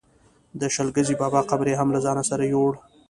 د شل ګزي بابا قبر یې هم له ځانه سره یووړ.